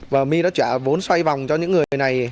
và my đã trả vốn xoay vòng cho những người này